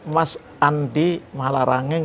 mas andi malarangeng